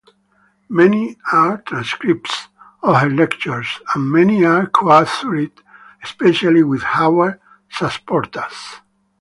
Many are transcripts of her lectures, and many are co-authored, especially with Howard Sasportas.